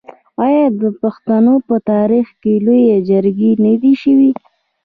آیا د پښتنو په تاریخ کې لویې جرګې نه دي شوي؟